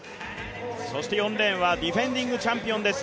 そして４レーンはディフェンディングチャンピオンです。